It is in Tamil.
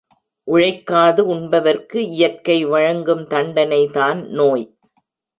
உழைக்காது உண்பவர்க்கு இயற்கை வழங்கும் தண்டனை தான் நோய்.